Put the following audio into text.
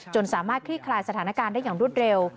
สามารถคลี่คลายสถานการณ์ได้อย่างรวดเร็ว